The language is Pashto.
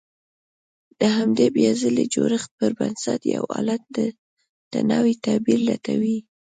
د همدې بيا ځلې جوړښت پر بنسټ يو حالت ته نوی تعبير لټوي.